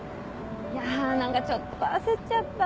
いや何かちょっと焦っちゃった。